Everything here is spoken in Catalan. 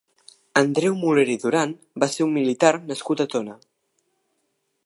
Andreu Molera i Duran va ser un militar nascut a Tona.